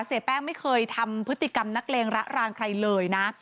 เสียแป้งไม่เคยทำพฤติกรรมนักเลงระรานใครเลยนะ